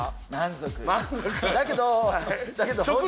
だけど。